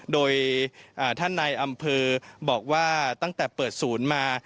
โดยท่านนายอำเภอบอกว่าตั้งแต่เปิดศูนย์มา